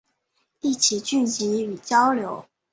一起聚集与交流